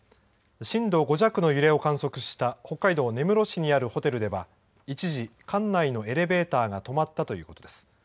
震度５弱の揺れを観測した、北海道根室市にあるホテルでは一時、館内のエレベーターが止まったということです。